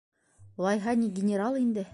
- Улайһа ни, генерал инде.